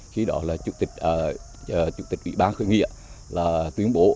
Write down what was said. khi đó là chủ tịch ủy ban khởi nghĩa là tuyên bố